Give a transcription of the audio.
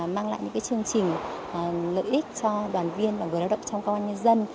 mang lại những chương trình lợi ích cho đoàn viên và người lao động trong công an nhân dân